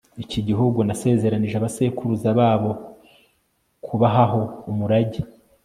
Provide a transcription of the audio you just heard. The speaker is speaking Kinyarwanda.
iki gihugu nasezeranije abasekuruza babo kubahaho umurage